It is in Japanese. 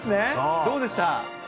どうでした？